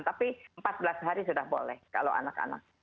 tapi empat belas hari sudah boleh kalau anak anak